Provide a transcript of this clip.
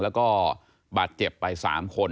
แล้วก็บาดเจ็บไป๓คน